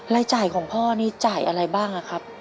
รายจ่ายของพ่อนี้จ่ายอะไรบ้างครับ